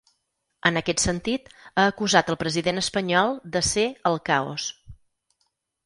En aquest sentit, ha acusat el president espanyol de ser ‘el caos’.